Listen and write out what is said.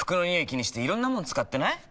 気にしていろんなもの使ってない？